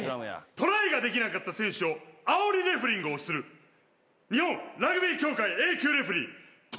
トライができなかった選手を煽りレフェリングをする日本ラグビー協会Ａ級レフェリー戸田レフェリー。